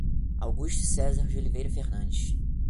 Augusto Cesar de Oliveira Fernandes